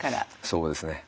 そうですね。